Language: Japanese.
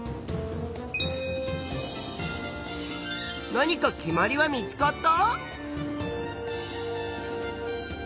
何か決まりは見つかった？